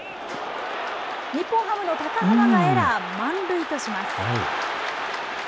日本ハムの高濱がエラー、満塁とします。